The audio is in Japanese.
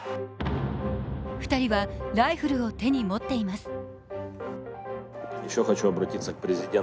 ２人はライフルを手に持っています